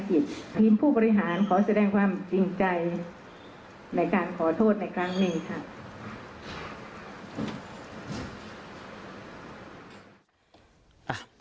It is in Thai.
ทีมผู้บริหารขอแสดงความจริงใจในการขอโทษในครั้งนี้ค่ะ